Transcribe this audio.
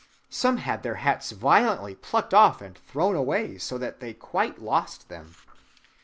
Some had their hats violently plucked off and thrown away, so that they quite lost them.